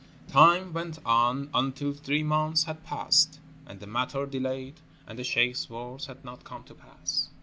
Time went on until three months had passed, and the matter delayed and the sheikh's words had not come to pass.